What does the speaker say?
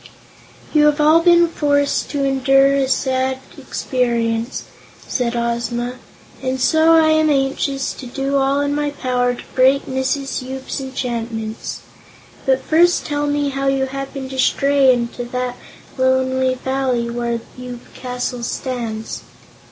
"You have all been forced to endure a sad experience," said Ozma, "and so I am anxious to do all in my power to break Mrs. Yoop's enchantments. But first tell me how you happened to stray into that lonely Valley where Yoop Castle stands."